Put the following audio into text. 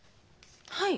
はい。